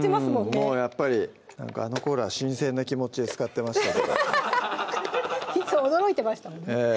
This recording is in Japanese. もうやっぱりなんかあのころは新鮮な気持ちで使ってましたけどいつも驚いてましたもんねええ